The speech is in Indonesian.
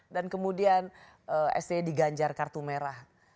dan kemudian sti diganjar kartu merah